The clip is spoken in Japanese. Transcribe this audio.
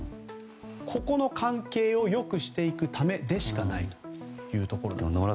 ここの関係をよくしていくためでしかないというところです。